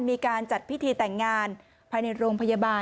มีการจัดพิธีแต่งงานภายในโรงพยาบาล